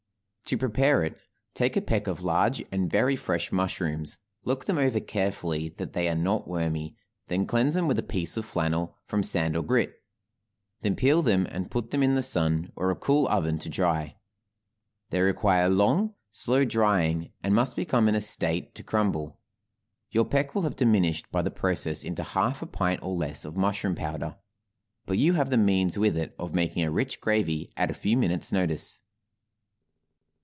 To prepare it, take a peck of large and very fresh mushrooms, look them over carefully that they are not wormy, then cleanse them with a piece of flannel from sand or grit, then peel them and put them in the sun or a cool oven to dry; they require long, slow drying, and must become in a state to crumble. Your peck will have diminished by the process into half a pint or less of mushroom powder, but you have the means with it of making a rich gravy at a few minutes' notice.